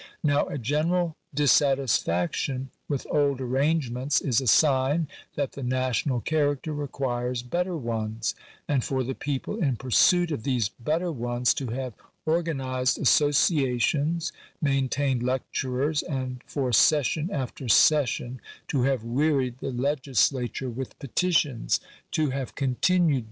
Now a general dissatisfaction with old arrangements is a sign that the national character requires better ones ; and for the people in pursuit of these better ones to have organised associations, maintained lecturers, and for session after session to have wearied the legislature with petitions — to have continued Digitized by VjOOQIC 248 THE CONSTITUTION OF THE STATE.